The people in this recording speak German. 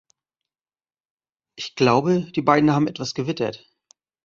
Ich glaube, die beiden haben etwas gewittert.